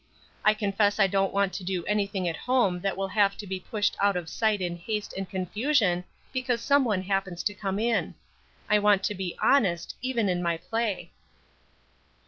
I confess I don't want to do anything at home that will have to be pushed out of sight in haste and confusion because some one happens to come in. I want to be honest, even in my play."